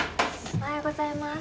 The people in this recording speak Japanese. おはようございます。